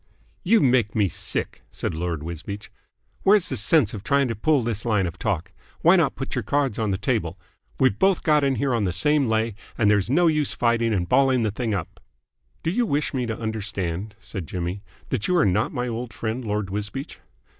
"You make me sick," said Lord Wisbeach. "Where's the sense of trying to pull this line of talk. Why not put your cards on the table? We've both got in here on the same lay, and there's no use fighting and balling the thing up." "Do you wish me to understand," said Jimmy, "that you are not my old friend, Lord Wisbeach?"